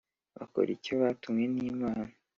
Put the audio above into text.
bakora icyo batumwe n’Imana